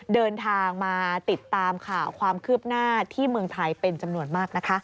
เดินทางมาติดตามข่าวความคืบหน้าที่เมืองไทยเป็นจำนวนมากนะคะ